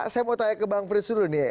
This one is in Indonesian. saya mau tanya ke bang frits dulu nih